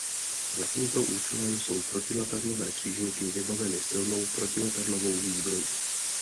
Za tímto účelem jsou protiletadlové křižníky vybaveny silnou protiletadlovou výzbrojí.